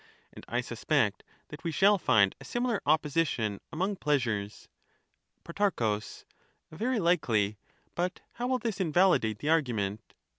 And I suspect that we shall find a similar opposition among pleasures. Pro, Very likely; but how will this invgtlidate the But this argument?